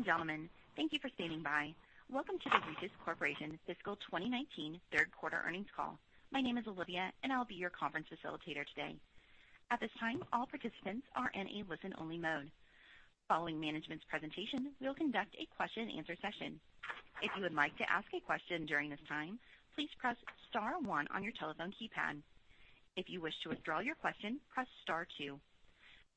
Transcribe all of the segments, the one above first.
Ladies and gentlemen, thank you for standing by. Welcome to the Regis Corporation Fiscal 2019 Third Quarter Earnings Call. My name is Olivia, and I'll be your conference facilitator today. At this time, all participants are in a listen-only mode. Following management's presentation, we'll conduct a question and answer session. If you would like to ask a question during this time, please press star one on your telephone keypad. If you wish to withdraw your question, press star two.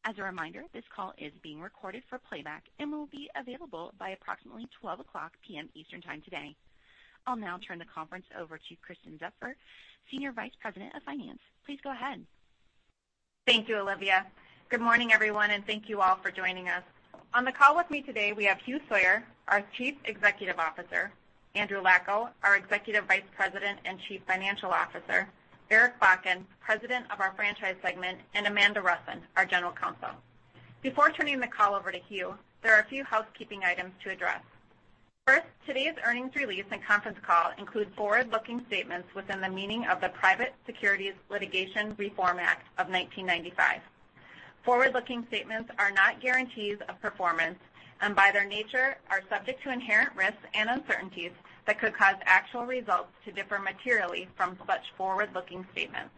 As a reminder, this call is being recorded for playback and will be available by approximately 12:00 P.M. Eastern Time today. I'll now turn the conference over to Kersten Zupfer, Senior Vice President of Finance. Please go ahead. Thank you, Olivia. Good morning, everyone, and thank you all for joining us. On the call with me today, we have Hugh Sawyer, our Chief Executive Officer, Andrew Lacko, our Executive Vice President and Chief Financial Officer, Eric Bakken, President of our franchise segment, and Amanda Rusin, our General Counsel. Before turning the call over to Hugh, there are a few housekeeping items to address. First, today's earnings release and conference call include forward-looking statements within the meaning of the Private Securities Litigation Reform Act of 1995. Forward-looking statements are not guarantees of performance and, by their nature, are subject to inherent risks and uncertainties that could cause actual results to differ materially from such forward-looking statements.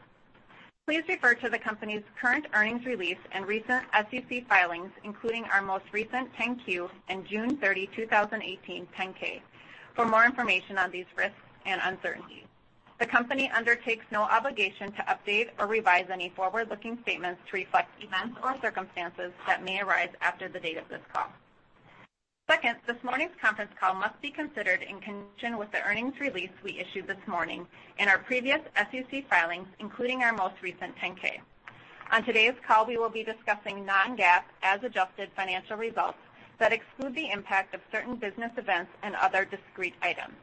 Please refer to the company's current earnings release and recent SEC filings, including our most recent 10-Q and June 30, 2018, 10-K for more information on these risks and uncertainties. The company undertakes no obligation to update or revise any forward-looking statements to reflect events or circumstances that may arise after the date of this call. Second, this morning's conference call must be considered in conjunction with the earnings release we issued this morning and our previous SEC filings, including our most recent 10-K. On today's call, we will be discussing non-GAAP, as adjusted financial results that exclude the impact of certain business events and other discrete items.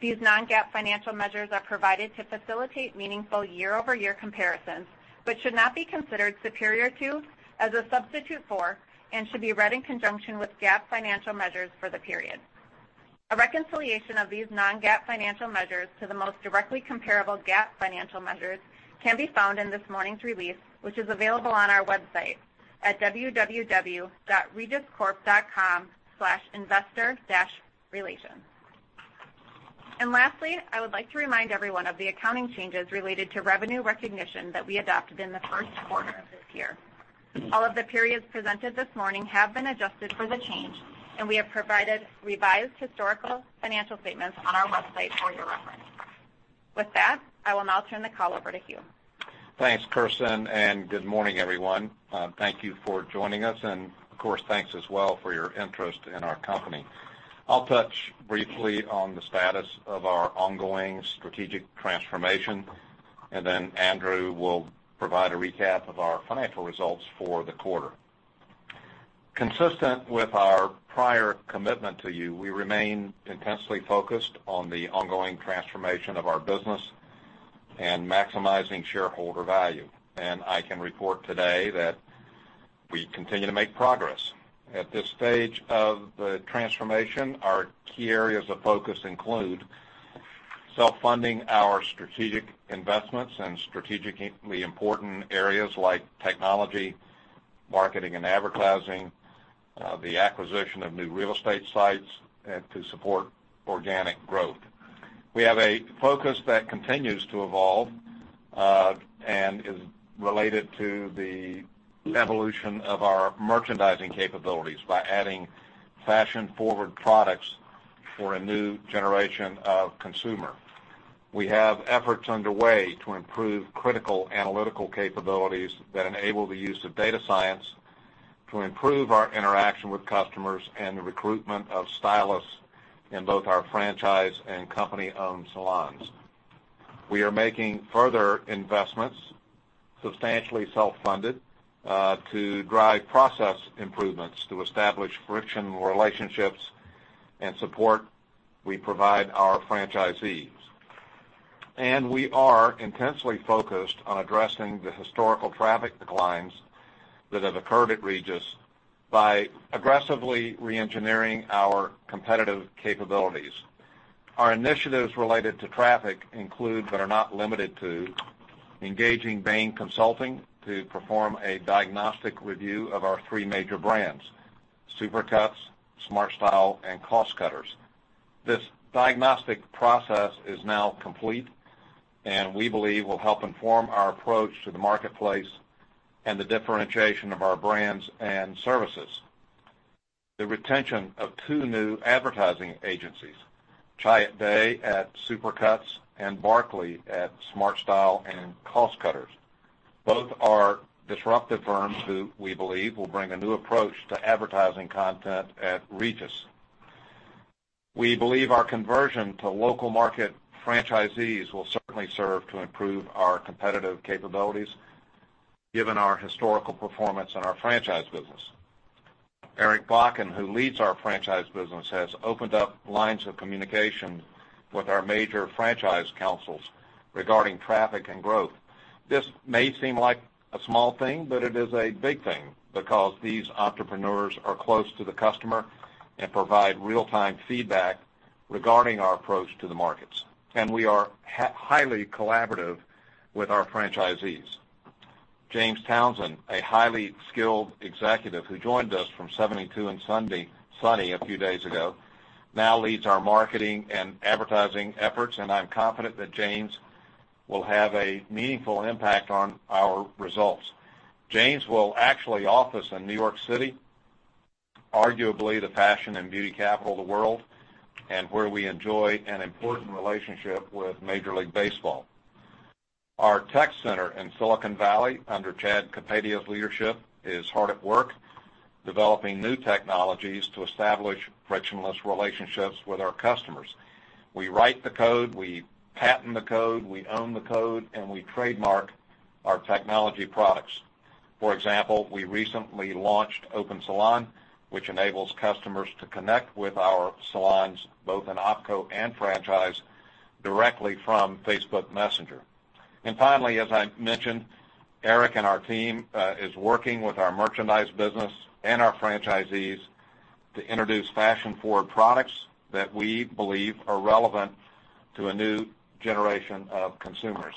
These non-GAAP financial measures are provided to facilitate meaningful year-over-year comparisons, but should not be considered superior to, as a substitute for, and should be read in conjunction with GAAP financial measures for the period. A reconciliation of these non-GAAP financial measures to the most directly comparable GAAP financial measures can be found in this morning's release, which is available on our website at www.regiscorp.com/investor-relations. Lastly, I would like to remind everyone of the accounting changes related to revenue recognition that we adopted in the first quarter of this year. All of the periods presented this morning have been adjusted for the change, and we have provided revised historical financial statements on our website for your reference. With that, I will now turn the call over to Hugh. Thanks, Kersten, and good morning, everyone. Thank you for joining us, and of course, thanks as well for your interest in our company. I'll touch briefly on the status of our ongoing strategic transformation, and then Andrew will provide a recap of our financial results for the quarter. Consistent with our prior commitment to you, we remain intensely focused on the ongoing transformation of our business and maximizing shareholder value. I can report today that we continue to make progress. At this stage of the transformation, our key areas of focus include self-funding our strategic investments in strategically important areas like technology, marketing and advertising, the acquisition of new real estate sites and to support organic growth. We have a focus that continues to evolve, and is related to the evolution of our merchandising capabilities by adding fashion-forward products for a new generation of consumer. We have efforts underway to improve critical analytical capabilities that enable the use of data science to improve our interaction with customers and the recruitment of stylists in both our franchise and company-owned salons. We are making further investments, substantially self-funded, to drive process improvements to establish frictionless relationships and support we provide our franchisees. We are intensely focused on addressing the historical traffic declines that have occurred at Regis by aggressively reengineering our competitive capabilities. Our initiatives related to traffic include, but are not limited to, engaging Bain & Company to perform a diagnostic review of our three major brands, Supercuts, SmartStyle, and Cost Cutters. This diagnostic process is now complete, and we believe will help inform our approach to the marketplace and the differentiation of our brands and services. The retention of two new advertising agencies, TBWA\Chiat\Day at Supercuts and Barkley at SmartStyle and Cost Cutters. Both are disruptive firms who we believe will bring a new approach to advertising content at Regis. We believe our conversion to local market franchisees will certainly serve to improve our competitive capabilities given our historical performance in our franchise business. Eric Bakken, who leads our franchise business, has opened up lines of communication with our major franchise councils regarding traffic and growth. This may seem like a small thing, but it is a big thing because these entrepreneurs are close to the customer and provide real-time feedback regarding our approach to the markets, and we are highly collaborative with our franchisees. James Townsend, a highly skilled executive who joined us from 72andSunny a few days ago, now leads our marketing and advertising efforts, and I'm confident that James will have a meaningful impact on our results. James will actually office in New York City, arguably the fashion and beauty capital of the world, and where we enjoy an important relationship with Major League Baseball. Our tech center in Silicon Valley under Chad Kapadia's leadership is hard at work developing new technologies to establish frictionless relationships with our customers. We write the code, we patent the code, we own the code, and we trademark our technology products. For example, we recently launched Opensalon, which enables customers to connect with our salons both in opco and franchise directly from Facebook Messenger. Finally, as I mentioned, Eric and our team is working with our merchandise business and our franchisees to introduce fashion-forward products that we believe are relevant to a new generation of consumers.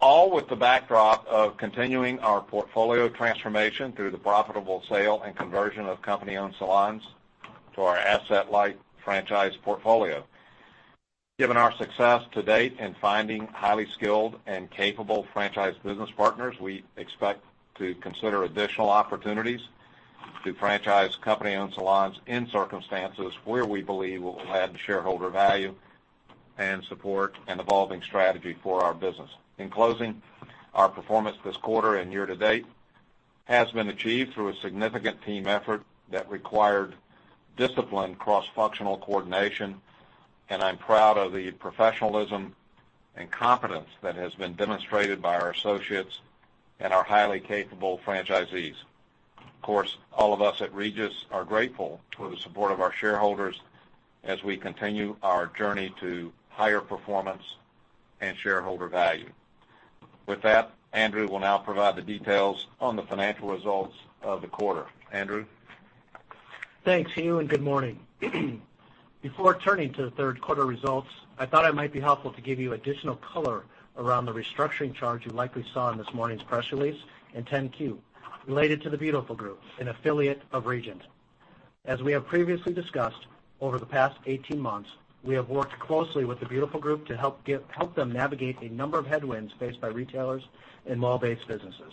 All with the backdrop of continuing our portfolio transformation through the profitable sale and conversion of company-owned salons to our asset-light franchise portfolio. Given our success to date in finding highly skilled and capable franchise business partners, we expect to consider additional opportunities to franchise company-owned salons in circumstances where we believe will add shareholder value and support an evolving strategy for our business. In closing, our performance this quarter and year to date has been achieved through a significant team effort that required discipline, cross-functional coordination, and I'm proud of the professionalism and competence that has been demonstrated by our associates and our highly capable franchisees. Of course, all of us at Regis are grateful for the support of our shareholders as we continue our journey to higher performance and shareholder value. With that, Andrew will now provide the details on the financial results of the quarter. Andrew? Thanks, Hugh, and good morning. Before turning to the third quarter results, I thought it might be helpful to give you additional color around the restructuring charge you likely saw in this morning's press release in 10-Q, related to The Beautiful Group, an affiliate of Regent. As we have previously discussed, over the past 18 months, we have worked closely with The Beautiful Group to help them navigate a number of headwinds faced by retailers and mall-based businesses.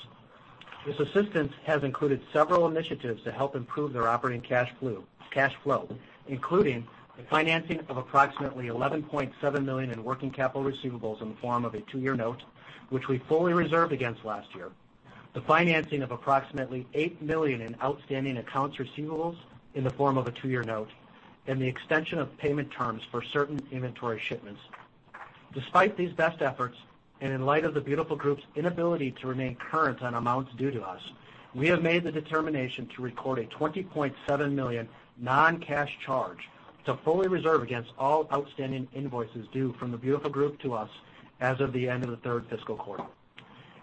This assistance has included several initiatives to help improve their operating cash flow, including the financing of approximately $11.7 million in working capital receivables in the form of a two-year note, which we fully reserved against last year, the financing of approximately $8 million in outstanding accounts receivables in the form of a two-year note, and the extension of payment terms for certain inventory shipments. Despite these best efforts, and in light of The Beautiful Group's inability to remain current on amounts due to us, we have made the determination to record a $20.7 million non-cash charge to fully reserve against all outstanding invoices due from The Beautiful Group to us as of the end of the third fiscal quarter.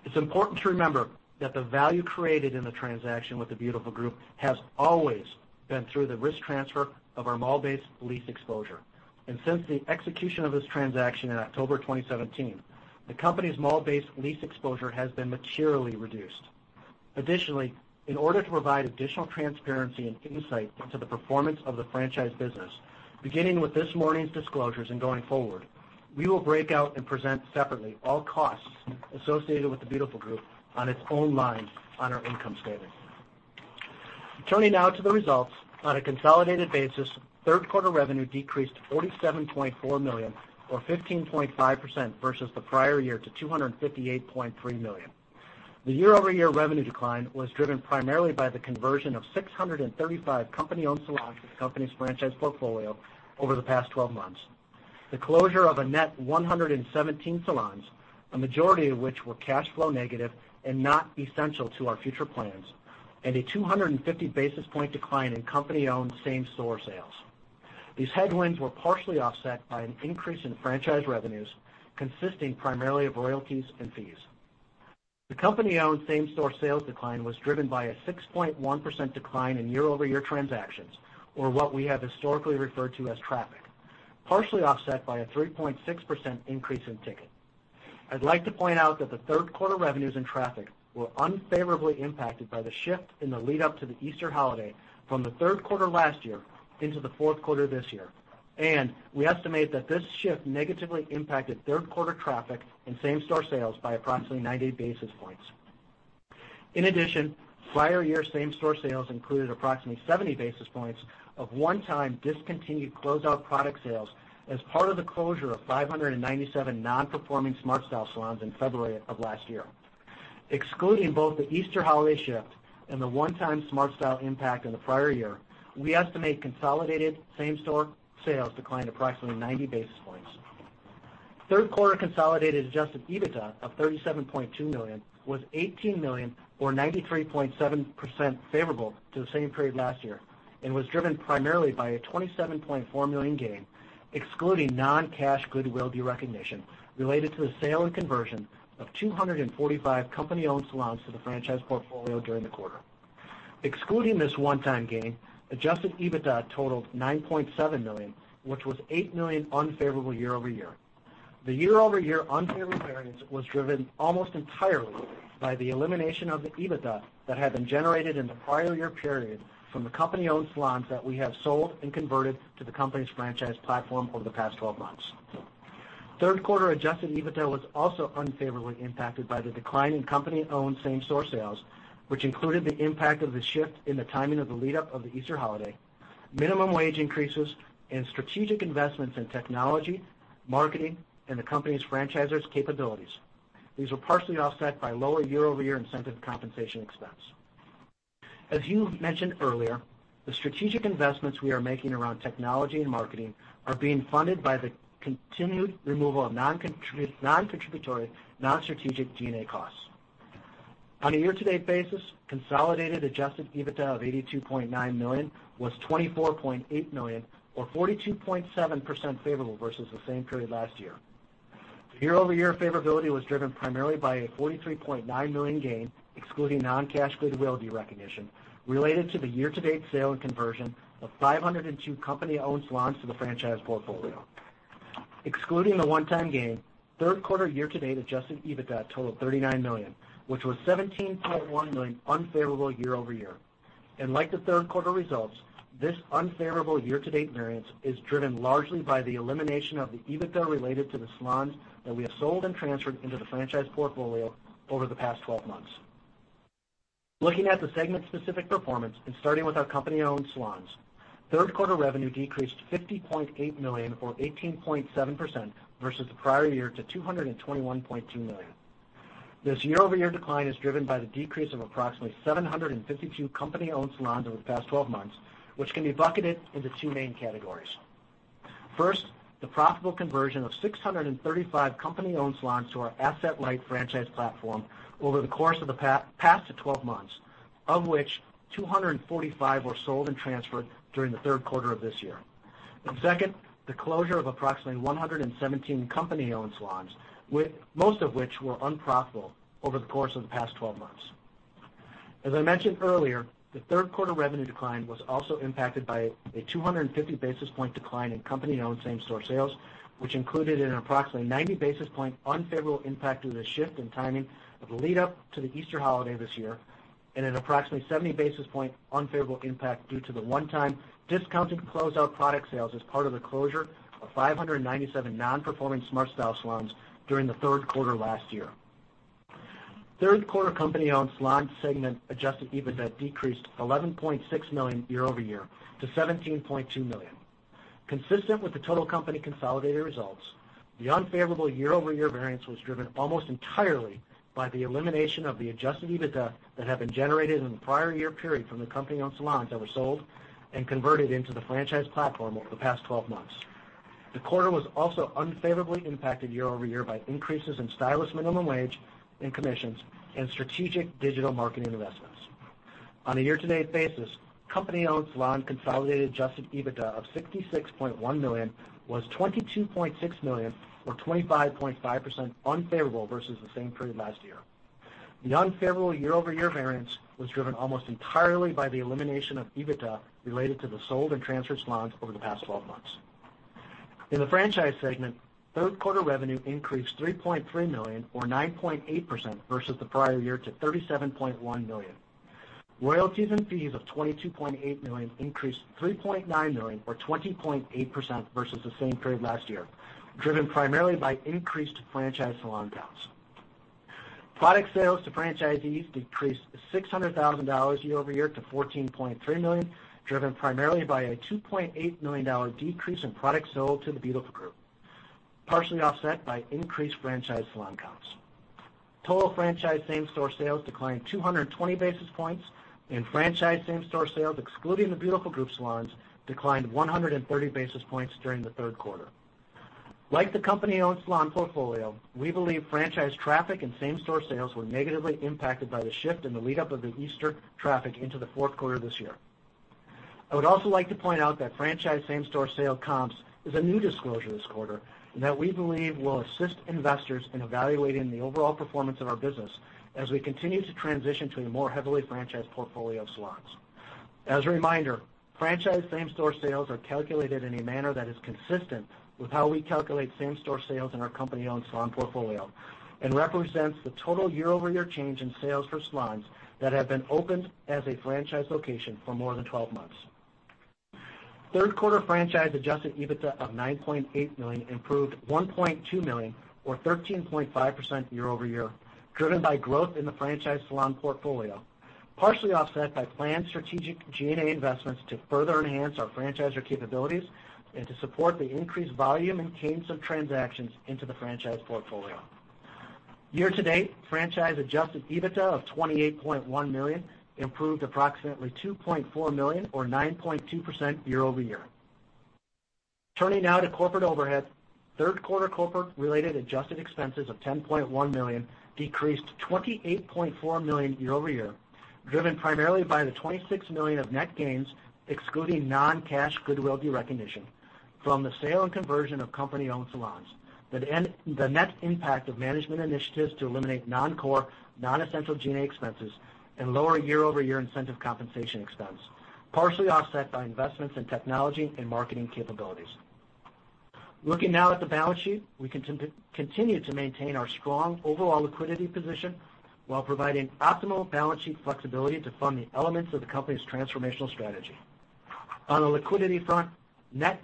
It's important to remember that the value created in the transaction with The Beautiful Group has always been through the risk transfer of our mall-based lease exposure. Since the execution of this transaction in October 2017, the company's mall-based lease exposure has been materially reduced. Additionally, in order to provide additional transparency and insight into the performance of the franchise business, beginning with this morning's disclosures and going forward, we will break out and present separately all costs associated with The Beautiful Group on its own line on our income statement. Turning now to the results on a consolidated basis, third quarter revenue -$47.4 million or 15.5% versus the prior year to $258.3 million. The year-over-year revenue decline was driven primarily by the conversion of 635 company-owned salons to the company's franchise portfolio over the past 12 months, the closure of a net 117 salons, a majority of which were cash flow negative and not essential to our future plans, and a 250 basis point decline in company-owned same-store sales. These headwinds were partially offset by an increase in franchise revenues, consisting primarily of royalties and fees. The company-owned same-store sales decline was driven by a 6.1% decline in year-over-year transactions, or what we have historically referred to as traffic, partially offset by a 3.6%+ in ticket. I'd like to point out that the third quarter revenues and traffic were unfavorably impacted by the shift in the lead-up to the Easter holiday from the third quarter last year into the fourth quarter this year. We estimate that this shift negatively impacted third quarter traffic and same-store sales by approximately 90 basis points. In addition, prior year same-store sales included approximately 70 basis points of one-time discontinued closeout product sales as part of the closure of 597 non-performing SmartStyle salons in February of last year. Excluding both the Easter holiday shift and the one-time SmartStyle impact in the prior year, we estimate consolidated same-store sales declined approximately 90 basis points. Third quarter consolidated adjusted EBITDA of $37.2 million was $18 million or 93.7% favorable to the same period last year and was driven primarily by a $27.4 million gain, excluding non-cash goodwill derecognition related to the sale and conversion of 245 company-owned salons to the franchise portfolio during the quarter. Excluding this one-time gain, adjusted EBITDA totaled $9.7 million, which was $8 million unfavorable year-over-year. The year-over-year unfavorable variance was driven almost entirely by the elimination of the EBITDA that had been generated in the prior year period from the company-owned salons that we have sold and converted to the company's franchise platform over the past 12 months. Third quarter adjusted EBITDA was also unfavorably impacted by the decline in company-owned same-store sales, which included the impact of the shift in the timing of the lead-up of the Easter holiday, minimum wage increases in strategic investments in technology, marketing, and the company's franchisor's capabilities. These were partially offset by lower year-over-year incentive compensation expense. As you mentioned earlier, the strategic investments we are making around technology and marketing are being funded by the continued removal of non-contributory, non-strategic G&A costs. On a year-to-date basis, consolidated adjusted EBITDA of $82.9 million was $24.8 million, or 42.7% favorable versus the same period last year. The year-over-year favorability was driven primarily by a $43.9 million gain, excluding non-cash goodwill derecognition, related to the year-to-date sale and conversion of 502 company-owned salons to the franchise portfolio. Excluding the one-time gain, third quarter year-to-date adjusted EBITDA totaled $39 million, which was $17.1 million unfavorable year over year. Like the third quarter results, this unfavorable year-to-date variance is driven largely by the elimination of the EBITDA related to the salons that we have sold and transferred into the franchise portfolio over the past 12 months. Looking at the segment-specific performance and starting with our company-owned salons, third quarter revenue -$50.8 million or 18.7% versus the prior year to $221.2 million. This year-over-year decline is driven by the decrease of approximately 752 company-owned salons over the past 12 months, which can be bucketed into two main categories. First, the profitable conversion of 635 company-owned salons to our asset-light franchise platform over the course of the past 12 months, of which 245 were sold and transferred during the third quarter of this year. Second, the closure of approximately 117 company-owned salons, with most of which were unprofitable over the course of the past 12 months. As I mentioned earlier, the third quarter revenue decline was also impacted by a 250 basis point decline in company-owned same-store sales, which included an approximately 90 basis point unfavorable impact due to the shift in timing of the lead-up to the Easter holiday this year, and an approximately 70 basis point unfavorable impact due to the one-time discounted closeout product sales as part of the closure of 597 non-performing SmartStyle salons during the third quarter last year. Third quarter company-owned salon segment adjusted EBITDA -$11.6 million year-over-year to $17.2 million. Consistent with the total company consolidated results, the unfavorable year-over-year variance was driven almost entirely by the elimination of the adjusted EBITDA that had been generated in the prior year period from the company-owned salons that were sold and converted into the franchise platform over the past 12 months. The quarter was also unfavorably impacted year-over-year by increases in stylist minimum wage and commissions and strategic digital marketing investments. On a year-to-date basis, company-owned salon consolidated adjusted EBITDA of $66.1 million was $22.6 million or 25.5% unfavorable versus the same period last year. The unfavorable year-over-year variance was driven almost entirely by the elimination of EBITDA related to the sold and transferred salons over the past 12 months. In the franchise segment, third quarter revenue +$3.3 million or 9.8% versus the prior year to $37.1 million. Royalties and fees of $22.8 million +$3.9 million or 20.8% versus the same period last year, driven primarily by increased franchise salon counts. Product sales to franchisees -$600,000 year-over-year to $14.3 million, driven primarily by a $2.8 million decrease in products sold to The Beautiful Group, partially offset by increased franchise salon counts. Total franchise same-store sales declined 220 basis points, and franchise same-store sales, excluding The Beautiful Group salons, declined 130 basis points during the third quarter. Like the company-owned salon portfolio, we believe franchise traffic and same-store sales were negatively impacted by the shift in the lead-up of the Easter traffic into the fourth quarter this year. I would also like to point out that franchise same-store sale comps is a new disclosure this quarter that we believe will assist investors in evaluating the overall performance of our business as we continue to transition to a more heavily franchised portfolio of salons. As a reminder, franchise same-store sales are calculated in a manner that is consistent with how we calculate same-store sales in our company-owned salon portfolio and represents the total year-over-year change in sales for salons that have been opened as a franchise location for more than 12 months. Third quarter franchise adjusted EBITDA of $9.8 million improved $1.2 million or 13.5% year-over-year, driven by growth in the franchise salon portfolio, partially offset by planned strategic G&A investments to further enhance our franchisor capabilities and to support the increased volume and cadence of transactions into the franchise portfolio. Year-to-date, franchise adjusted EBITDA of $28.1 million improved approximately $2.4 million or 9.2% year-over-year. Turning now to corporate overhead. Third quarter corporate-related adjusted expenses of $10.1 million -$28.4 million year-over-year, driven primarily by the $26 million of net gains excluding non-cash goodwill derecognition. From the sale and conversion of company-owned salons, the net impact of management initiatives to eliminate non-core, non-essential G&A expenses and lower year-over-year incentive compensation expense, partially offset by investments in technology and marketing capabilities. Looking now at the balance sheet, we continue to maintain our strong overall liquidity position while providing optimal balance sheet flexibility to fund the elements of the company's transformational strategy. On the liquidity front, net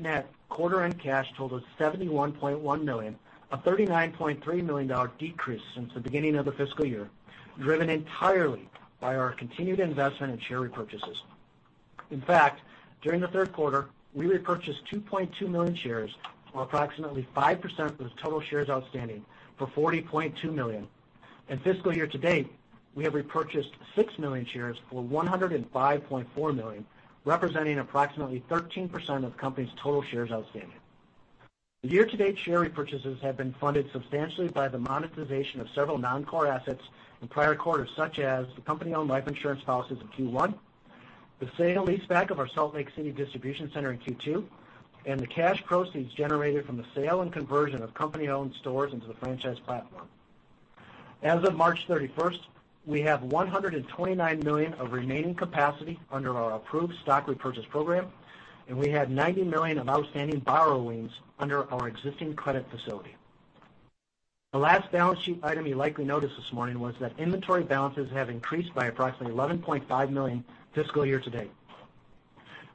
quarter-end cash total is $71.1 million, a $39.3 million decrease since the beginning of the fiscal year, driven entirely by our continued investment in share repurchases. In fact, during the third quarter, we repurchased 2.2 million shares, or approximately 5% of the total shares outstanding, for $40.2 million. In fiscal year to date, we have repurchased 6 million shares for $105.4 million, representing approximately 13% of the company's total shares outstanding. The year-to-date share repurchases have been funded substantially by the monetization of several non-core assets in prior quarters, such as the company-owned life insurance policies in Q1, the sale and leaseback of our Salt Lake City distribution center in Q2, and the cash proceeds generated from the sale and conversion of company-owned stores into the franchise platform. As of March 31, we have $129 million of remaining capacity under our approved stock repurchase program, and we have $90 million of outstanding borrowings under our existing credit facility. The last balance sheet item you likely noticed this morning was that inventory balances have increased by approximately $11.5 million fiscal year to date.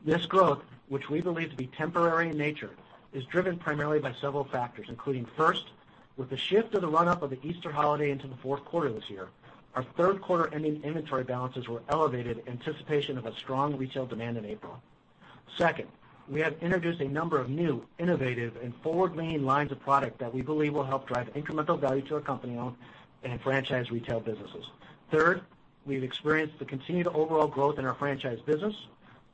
This growth, which we believe to be temporary in nature, is driven primarily by several factors, including, first, with the shift of the run-up of the Easter holiday into the fourth quarter this year, our third quarter ending inventory balances were elevated in anticipation of a strong retail demand in April. Second, we have introduced a number of new, innovative, and forward-leaning lines of product that we believe will help drive incremental value to our company-owned and franchise retail businesses. Third, we've experienced the continued overall growth in our franchise business.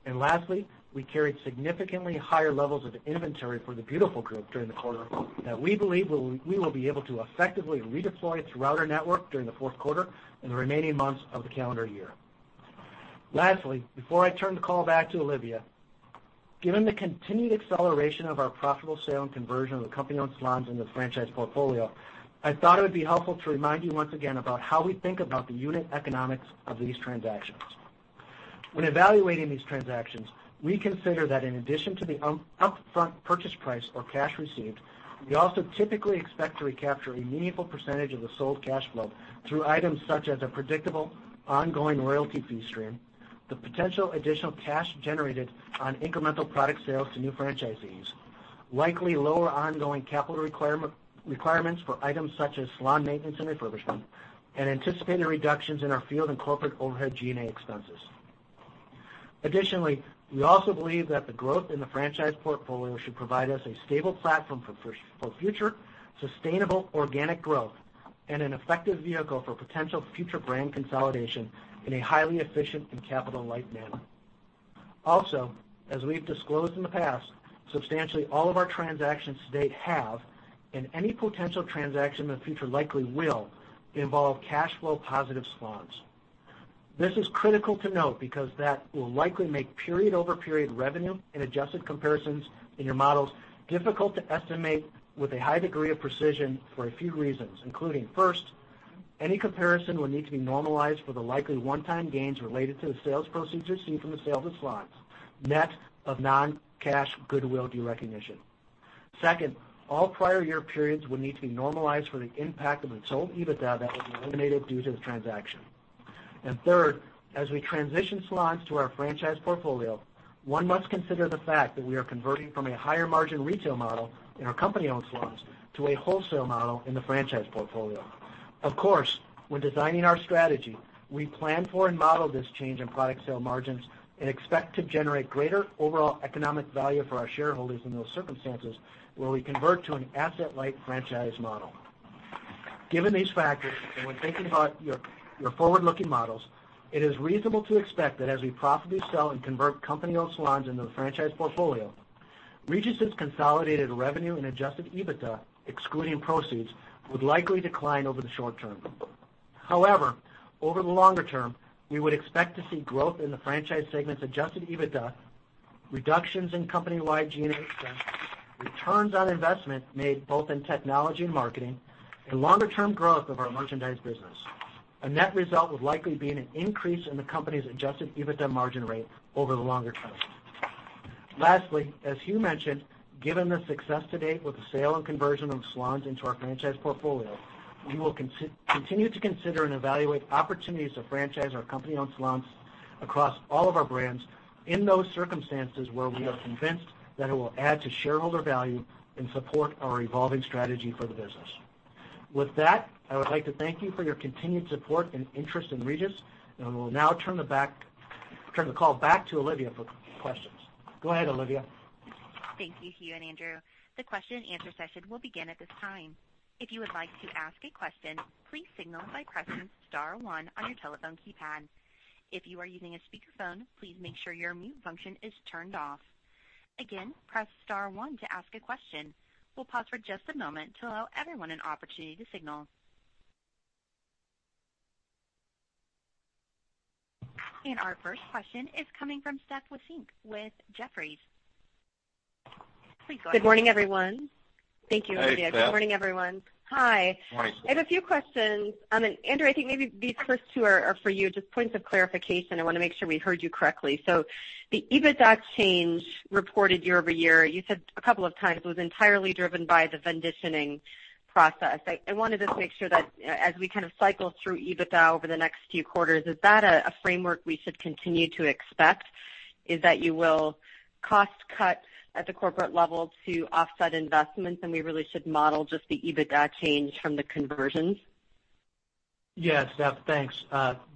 Lastly, we carried significantly higher levels of inventory for the Beautiful Group during the quarter that we believe we will be able to effectively redeploy throughout our network during the fourth quarter and the remaining months of the calendar year. Lastly, before I turn the call back to Olivia, given the continued acceleration of our profitable sale and conversion of the company-owned salons in the franchise portfolio, I thought it would be helpful to remind you once again about how we think about the unit economics of these transactions. When evaluating these transactions, we consider that in addition to the upfront purchase price or cash received, we also typically expect to recapture a meaningful percentage of the sold cash flow through items such as a predictable ongoing royalty fee stream, the potential additional cash generated on incremental product sales to new franchisees, likely lower ongoing capital requirements for items such as salon maintenance and refurbishment, and anticipated reductions in our field and corporate overhead G&A expenses. Additionally, we also believe that the growth in the franchise portfolio should provide us a stable platform for future sustainable organic growth and an effective vehicle for potential future brand consolidation in a highly efficient and capital-light manner. Also, as we've disclosed in the past, substantially all of our transactions to date have, and any potential transaction in the future likely will, involve cash flow positive salons. This is critical to note because that will likely make period-over-period revenue and adjusted comparisons in your models difficult to estimate with a high degree of precision for a few reasons, including, first, any comparison will need to be normalized for the likely one-time gains related to the sales proceeds received from the sale of the salons, net of non-cash goodwill derecognition. Second, all prior year periods will need to be normalized for the impact of the sold EBITDA that was eliminated due to the transaction. Third, as we transition salons to our franchise portfolio, one must consider the fact that we are converting from a higher margin retail model in our company-owned salons to a wholesale model in the franchise portfolio. Of course, when designing our strategy, we plan for and model this change in product sale margins and expect to generate greater overall economic value for our shareholders in those circumstances where we convert to an asset-light franchise model. Given these factors, and when thinking about your forward-looking models, it is reasonable to expect that as we profitably sell and convert company-owned salons into the franchise portfolio, Regis' consolidated revenue and adjusted EBITDA, excluding proceeds, would likely decline over the short term. However, over the longer term, we would expect to see growth in the franchise segment's adjusted EBITDA, reductions in company-wide G&A expense, returns on investment made both in technology and marketing, and longer-term growth of our merchandise business. A net result would likely be an increase in the company's adjusted EBITDA margin rate over the longer term. Lastly, as Hugh mentioned, given the success to date with the sale and conversion of salons into our franchise portfolio, we will continue to consider and evaluate opportunities to franchise our company-owned salons across all of our brands in those circumstances where we are convinced that it will add to shareholder value and support our evolving strategy for the business. With that, I would like to thank you for your continued support and interest in Regis, and I will now turn the call back to Olivia for questions. Go ahead, Olivia. Thank you, Hugh and Andrew. The question and answer session will begin at this time. If you would like to ask a question, please signal by pressing star one on your telephone keypad. If you are using a speakerphone, please make sure your mute function is turned off. Again, press star one to ask a question. We'll pause for just a moment to allow everyone an opportunity to signal. Our first question is coming from Steph Wissink with Jefferies. Please go ahead. Good morning, everyone. Thank you. Hey, Steph. Good morning, everyone. Hi. Morning. I have a few questions. Andrew, I think maybe these first two are for you. Just points of clarification. I wanna make sure we heard you correctly. The EBITDA change reported year-over-year you said a couple of times was entirely driven by the venditioning process. I wanted to make sure that as we kind of cycle through EBITDA over the next few quarters is that a framework we should continue to expect is that you will cost cut at the corporate level to offset investments and we really should model just the EBITDA change from the conversions? Yes, Steph. Thanks.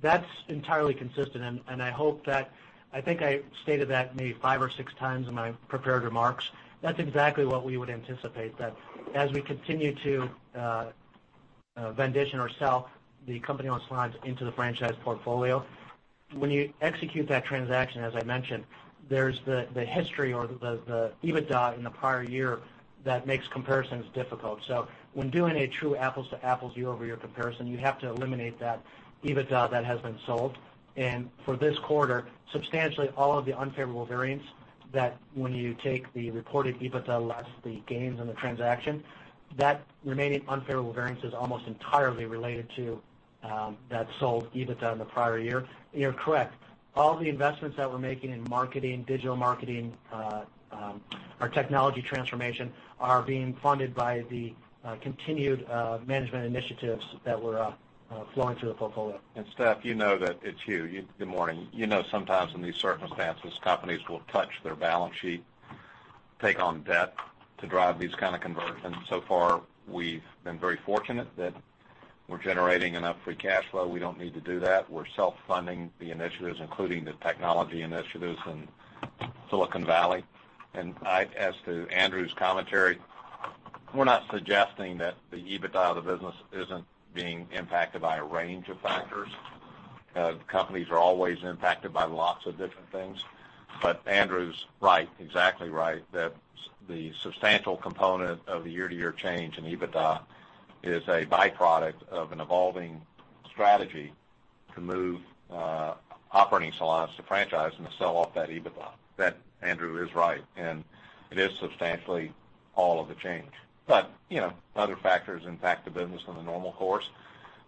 That's entirely consistent, and I hope that I think I stated that maybe five or six times in my prepared remarks. That's exactly what we would anticipate, that as we continue to transition or sell the company-owned salons into the franchise portfolio, when you execute that transaction, as I mentioned, there's the history or the EBITDA in the prior year that makes comparisons difficult. When doing a true apples-to-apples year-over-year comparison, you have to eliminate that EBITDA that has been sold. For this quarter, substantially all of the unfavorable variance, that when you take the reported EBITDA less the gains in the transaction, that remaining unfavorable variance is almost entirely related to that sold EBITDA in the prior year. You're correct. All the investments that we're making in marketing, digital marketing, our technology transformation are being funded by the continued management initiatives that we're flowing through the portfolio. Steph, it's Hugh. Good morning. You know, sometimes in these circumstances, companies will touch their balance sheet, take on debt to drive these kind of conversions. So far, we've been very fortunate that we're generating enough free cash flow. We don't need to do that. We're self-funding the initiatives, including the technology initiatives in Silicon Valley. As to Andrew's commentary, we're not suggesting that the EBITDA of the business isn't being impacted by a range of factors. Companies are always impacted by lots of different things. Andrew's right, exactly right, that the substantial component of the year-to-year change in EBITDA is a byproduct of an evolving strategy to move operating salons to franchise and to sell off that EBITDA. That, Andrew is right, and it is substantially all of the change. You know, other factors impact the business on a normal course,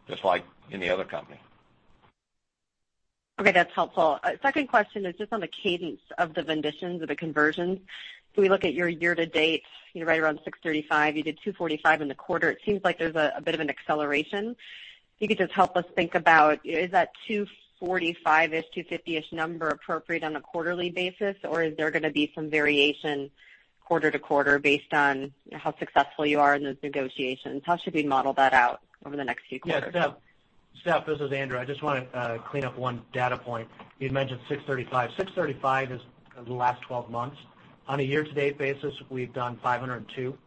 just like any other company. Okay, that's helpful. Second question is just on the cadence of the venditions or the conversions. If we look at your year-to-date, you're right around 635. You did 245 in the quarter. It seems like there's a bit of an acceleration. If you could just help us think about, is that 245-ish, 250-ish number appropriate on a quarterly basis, or is there gonna be some variation quarter to quarter based on how successful you are in the negotiations? How should we model that out over the next few quarters? Yeah. Steph, this is Andrew. I just wanna clean up one data point. You'd mentioned 635. 635 is the last 12 months. On a year-to-date basis, we've done 502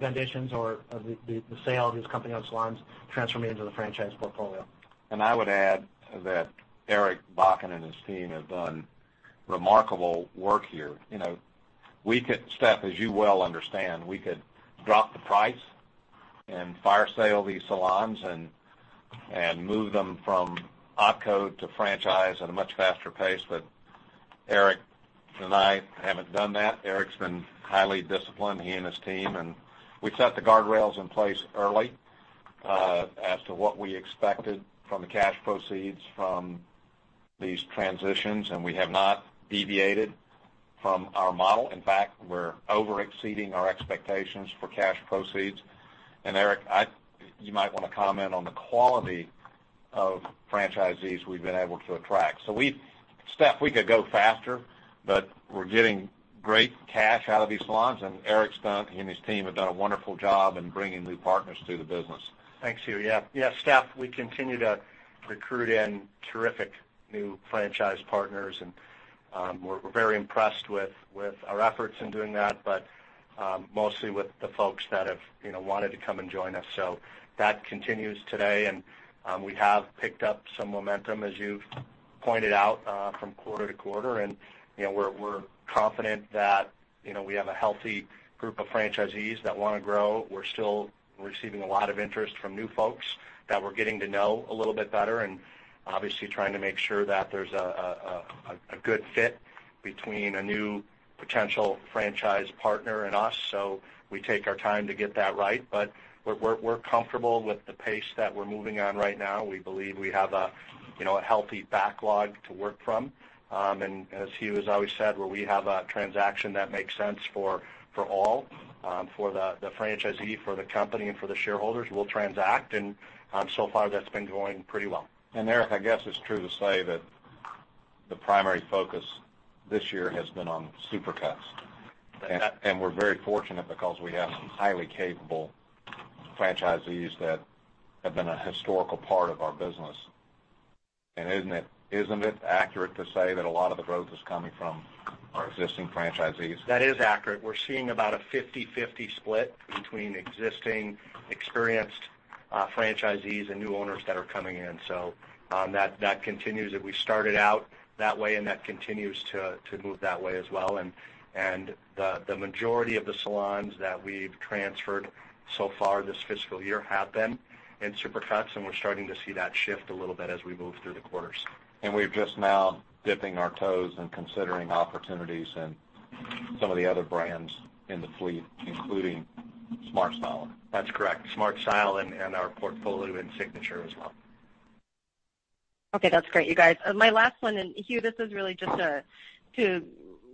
venditions or the sale of these company-owned salons transforming into the franchise portfolio. I would add that Eric Bakken and his team have done remarkable work here. You know, we could, Steph, as you well understand, we could drop the price and fire sale these salons and move them from opco to franchise at a much faster pace. Eric and I haven't done that. Eric's been highly disciplined, he and his team, and we set the guardrails in place early, as to what we expected from the cash proceeds from these transitions, and we have not deviated from our model. In fact, we're over-exceeding our expectations for cash proceeds. Eric, you might wanna comment on the quality of franchisees we've been able to attract. Steph, we could go faster, but we're getting great cash out of these salons, and Eric's done, he and his team have done a wonderful job in bringing new partners to the business. Thanks, Hugh. Yeah. Yeah, Steph, we continue to recruit terrific new franchise partners, and we're very impressed with our efforts in doing that, but mostly with the folks that have, you know, wanted to come and join us. That continues today, and we have picked up some momentum, as you've pointed out, from quarter to quarter. You know, we're confident that we have a healthy group of franchisees that wanna grow. We're still receiving a lot of interest from new folks that we're getting to know a little bit better and obviously trying to make sure that there's a good fit between a new potential franchise partner and us. We take our time to get that right. We're comfortable with the pace that we're moving on right now. We believe we have a, you know, a healthy backlog to work from. As Hugh has always said, where we have a transaction that makes sense for all, for the franchisee, for the company, and for the shareholders, we'll transact. So far, that's been going pretty well. Eric, I guess it's true to say that the primary focus this year has been on Supercuts. Right. We're very fortunate because we have some highly capable franchisees that have been a historical part of our business. Isn't it accurate to say that a lot of the growth is coming from our existing franchisees? That is accurate. We're seeing about a 50/50 split between existing experienced Franchisees and new owners that are coming in. That continues. We started out that way, and that continues to move that way as well. The majority of the salons that we've transferred so far this fiscal year have been in Supercuts, and we're starting to see that shift a little bit as we move through the quarters. We're just now dipping our toes and considering opportunities in some of the other brands in the fleet, including SmartStyle. That's correct. SmartStyle and our portfolio in Signature Style as well. Okay, that's great, you guys. My last one, and Hugh, this is really just to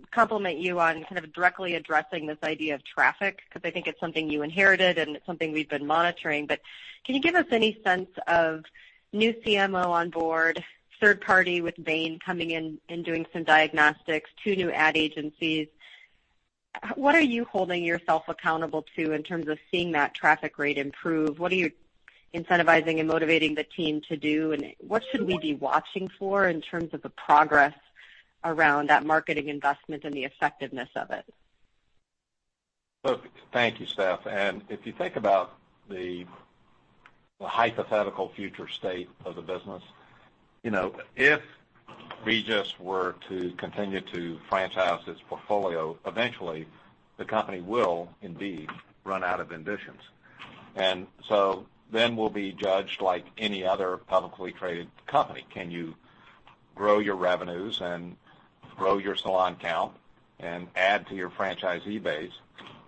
compliment you on kind of directly addressing this idea of traffic, 'cause I think it's something you inherited, and it's something we've been monitoring. Can you give us any sense of new CMO on board, third-party with Bain coming in and doing some diagnostics, two new ad agencies? What are you holding yourself accountable to in terms of seeing that traffic rate improve? What are you incentivizing and motivating the team to do? And what should we be watching for in terms of the progress around that marketing investment and the effectiveness of it? Thank you, Steph. If you think about the hypothetical future state of the business, you know, if Regis were to continue to franchise its portfolio, eventually the company will indeed run out of ambitions. We'll be judged like any other publicly traded company. Can you grow your revenues and grow your salon count and add to your franchisee base?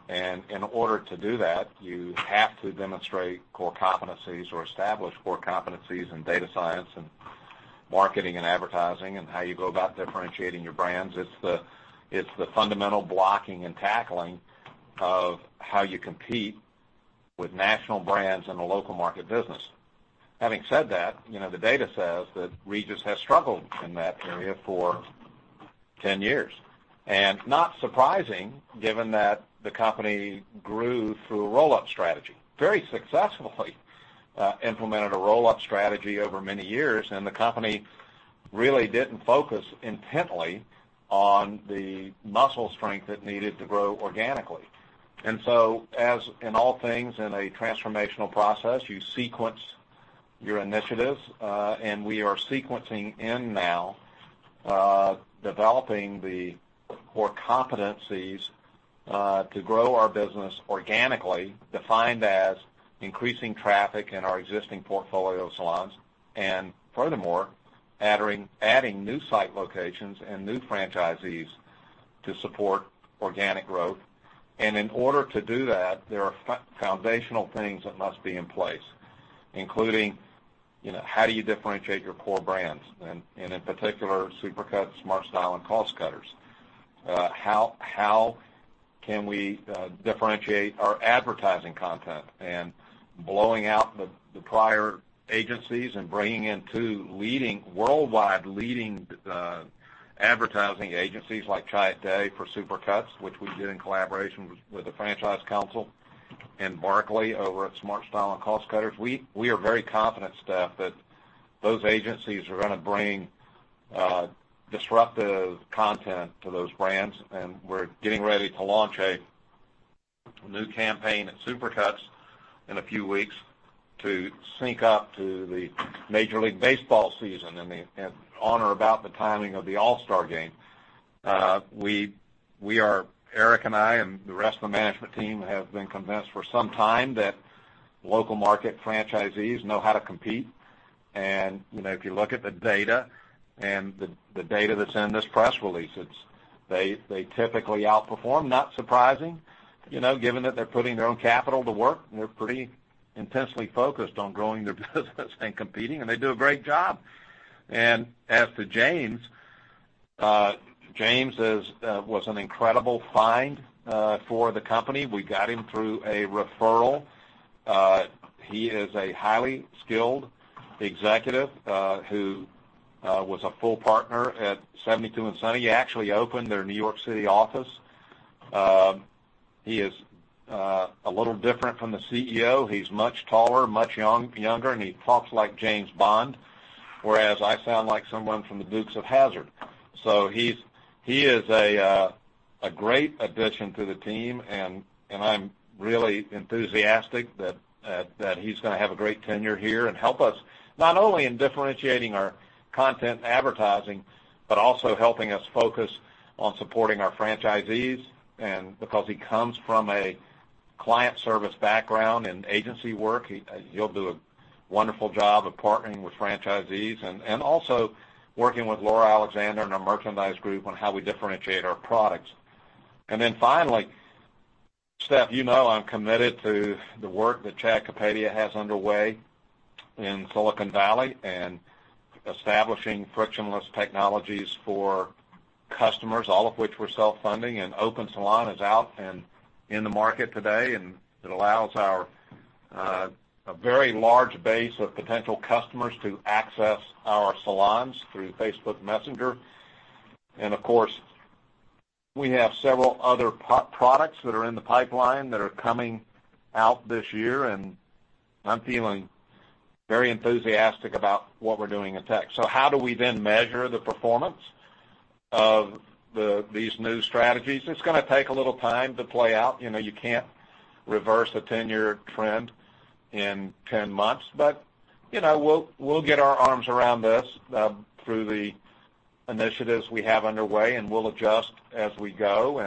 In order to do that, you have to demonstrate core competencies or establish core competencies in data science and marketing and advertising and how you go about differentiating your brands. It's the fundamental blocking and tackling of how you compete with national brands in a local market business. Having said that, you know, the data says that Regis has struggled in that area for 10 years, and not surprising given that the company grew through a roll-up strategy. Very successfully implemented a roll-up strategy over many years, and the company really didn't focus intently on the muscle strength it needed to grow organically. As in all things in a transformational process, you sequence your initiatives, and we are sequencing in now, developing the core competencies to grow our business organically, defined as increasing traffic in our existing portfolio of salons, and furthermore, adding new site locations and new franchisees to support organic growth. In order to do that, there are foundational things that must be in place, including, you know, how do you differentiate your core brands, and in particular, Supercuts, SmartStyle and Cost Cutters. How can we differentiate our advertising content and blowing out the prior agencies and bringing in two worldwide leading advertising agencies like Chiat/Day for Supercuts, which we did in collaboration with the franchise council, and Barkley over at SmartStyle and Cost Cutters. We are very confident, Steph, that those agencies are gonna bring disruptive content to those brands. We're getting ready to launch a new campaign at Supercuts in a few weeks to sync up to the Major League Baseball season and on or about the timing of the All-Star Game. Eric and I and the rest of the management team have been convinced for some time that local market franchisees know how to compete. You know, if you look at the data that's in this press release, they typically outperform. Not surprising, you know, given that they're putting their own capital to work, and they're pretty intensely focused on growing their business and competing, and they do a great job. As to James, he was an incredible find for the company. We got him through a referral. He is a highly skilled executive who was a full partner at 72andSunny. He actually opened their New York City office. He is a little different from the CEO. He's much taller, much younger, and he talks like James Bond, whereas I sound like someone from The Dukes of Hazzard. He is a great addition to the team, and I'm really enthusiastic that he's gonna have a great tenure here and help us, not only in differentiating our content and advertising, but also helping us focus on supporting our franchisees and because he comes from a client service background in agency work, he'll do a wonderful job of partnering with franchisees and also working with Laura Alexander and our merchandise group on how we differentiate our products. Then finally, Steph, you know I'm committed to the work that Chad Kapadia has underway in Silicon Valley and establishing frictionless technologies for customers, all of which we're self-funding, and Opensalon is out and in the market today, and it allows our a very large base of potential customers to access our salons through Facebook Messenger. Of course, we have several other products that are in the pipeline that are coming out this year, and I'm feeling very enthusiastic about what we're doing in tech. How do we then measure the performance of these new strategies? It's gonna take a little time to play out. You know, you can't reverse a 10-year trend in 10 months. You know, we'll get our arms around this through the initiatives we have underway, and we'll adjust as we go.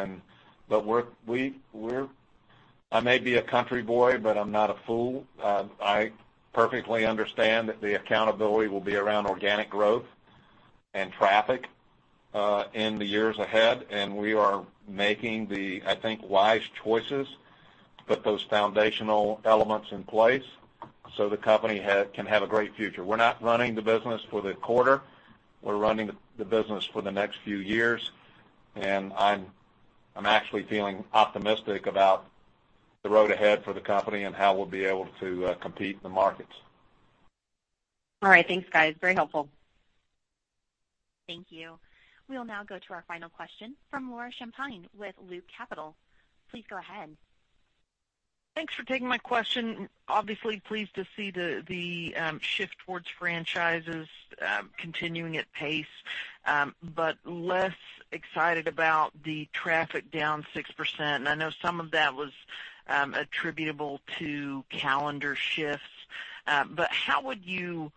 I may be a country boy, but I'm not a fool. I perfectly understand that the accountability will be around organic growth and traffic in the years ahead, and we are making the, I think, wise choices to put those foundational elements in place so the company can have a great future. We're not running the business for the quarter, we're running the business for the next few years, and I'm actually feeling optimistic about the road ahead for the company and how we'll be able to compete in the markets. All right, thanks, guys. Very helpful. Thank you. We'll now go to our final question from Laura Champine with Loop Capital. Please go ahead. Thanks for taking my question. Obviously pleased to see the shift towards franchises continuing at pace, but less excited about the traffic down 6%. I know some of that was attributable to calendar shifts. How would you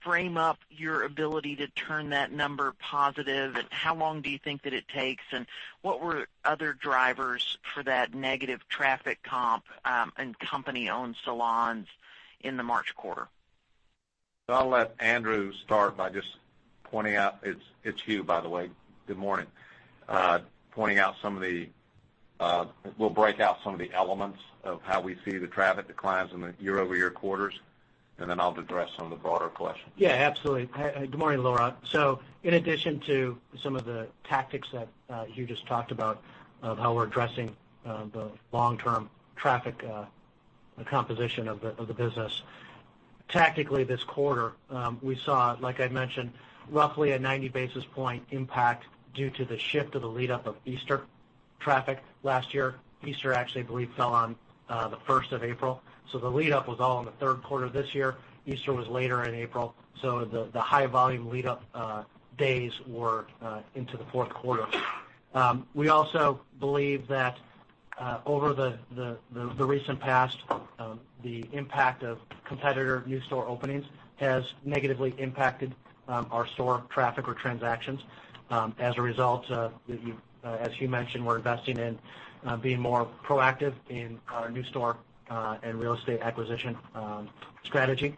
frame up your ability to turn that number positive, and how long do you think that it takes, and what were other drivers for that negative traffic comp in company-owned salons in the March quarter? I'll let Andrew start by just pointing out. It's Hugh, by the way. Good morning. We'll break out some of the elements of how we see the traffic declines in the year-over-year quarters, and then I'll address some of the broader questions. Yeah, absolutely. Hey, good morning, Laura. In addition to some of the tactics that Hugh just talked about of how we're addressing the long-term traffic composition of the business. Tactically this quarter, we saw, like I mentioned, roughly a 90 basis point impact due to the shift of the lead up of Easter traffic last year. Easter actually, I believe, fell on the first of April, so the lead up was all in the third quarter. This year, Easter was later in April, so the high volume lead up days were into the fourth quarter. We also believe that over the recent past, the impact of competitor new store openings has negatively impacted our store traffic or transactions. As a result of, as you mentioned, we're investing in being more proactive in our new store and real estate acquisition strategy.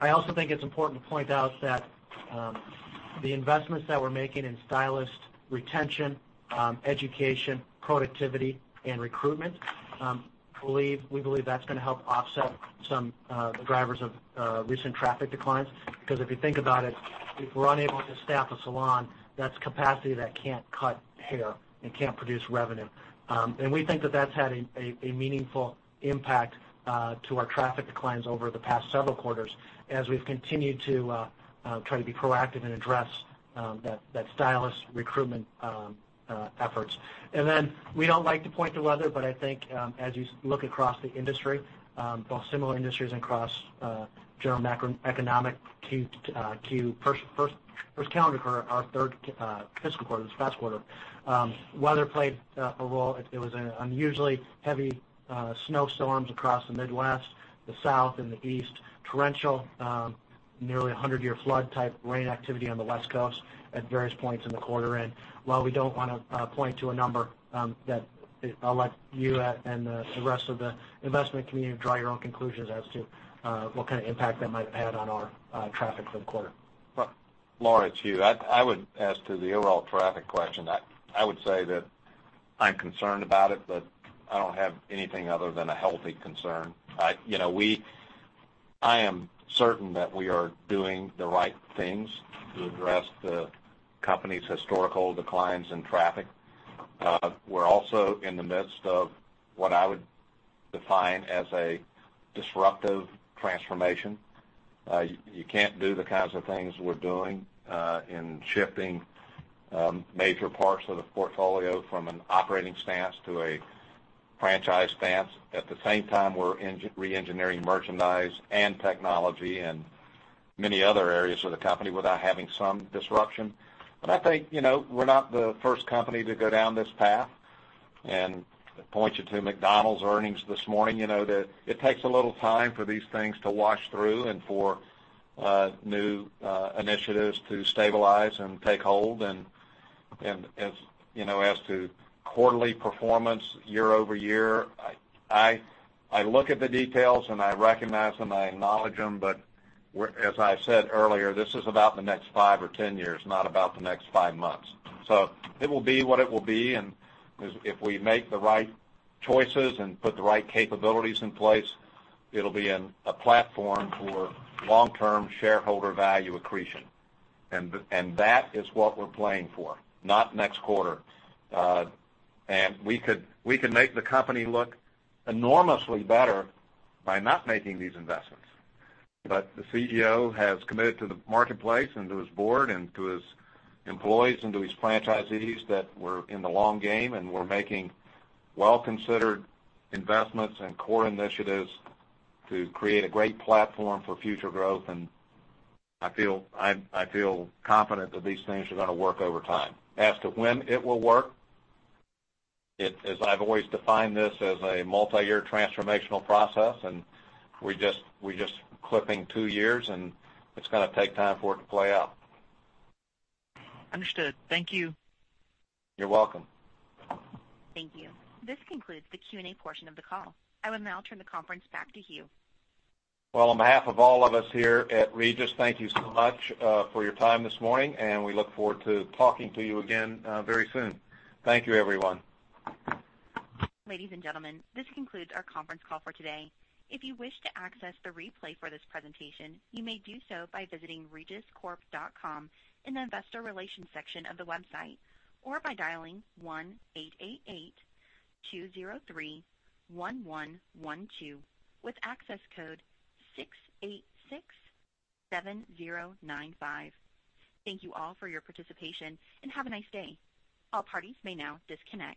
I also think it's important to point out that the investments that we're making in stylist retention, education, productivity, and recruitment, we believe that's gonna help offset some the drivers of recent traffic declines. 'Cause if you think about it, if we're unable to staff a salon, that's capacity that can't cut hair and can't produce revenue. We think that that's had a meaningful impact to our traffic declines over the past several quarters as we've continued to try to be proactive and address that stylist recruitment efforts. We don't like to point to weather, but I think as you look across the industry, both similar industries and across general macroeconomic conditions in the first calendar quarter for our third fiscal quarter, this past quarter, weather played a role. It was unusually heavy snowstorms across the Midwest, the South and the East. Torrential nearly a 100-year flood type rain activity on the West Coast at various points in the quarter. While we don't wanna point to a number that I'll let you and the rest of the investment community draw your own conclusions as to what kind of impact that might have had on our traffic for the quarter. Laura, it's Hugh. I would say as to the overall traffic question that I'm concerned about it, but I don't have anything other than a healthy concern. You know, I am certain that we are doing the right things to address the company's historical declines in traffic. We're also in the midst of what I would define as a disruptive transformation. You can't do the kinds of things we're doing in shifting major parts of the portfolio from an operating stance to a franchise stance. At the same time, we're re-engineering merchandise and technology and many other areas of the company without having some disruption. I think, you know, we're not the first company to go down this path and point you to McDonald's earnings this morning. You know, it takes a little time for these things to wash through and for new initiatives to stabilize and take hold. As you know, as to quarterly performance year-over-year, I look at the details and I recognize them and I acknowledge them, but we're as I said earlier, this is about the next five or 10 years, not about the next five months. It will be what it will be, and if we make the right choices and put the right capabilities in place, it'll be in a platform for long-term shareholder value accretion. That is what we're playing for, not next quarter. We could make the company look enormously better by not making these investments. The CEO has committed to the marketplace and to his board and to his employees and to his franchisees that we're in the long game, and we're making well-considered investments and core initiatives to create a great platform for future growth. I feel confident that these things are gonna work over time. As to when it will work, as I've always defined this as a multi-year transformational process, and we just hit two years and it's gonna take time for it to play out. Understood. Thank you. You're welcome. Thank you. This concludes the Q&A portion of the call. I will now turn the conference back to Hugh. Well, on behalf of all of us here at Regis, thank you so much for your time this morning, and we look forward to talking to you again very soon. Thank you, everyone. Ladies and gentlemen, this concludes our conference call for today. If you wish to access the replay for this presentation, you may do so by visiting regiscorp.com in the investor relations section of the website, or by dialing 1-888-203-1112 with access code 6867095. Thank you all for your participation, and have a nice day. All parties may now disconnect.